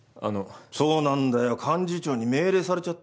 そうなんだよ幹事長に命令されちゃって